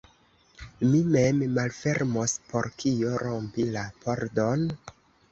Mi mem malfermos, por kio rompi la pordon?